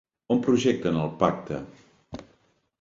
On projecten El pacte?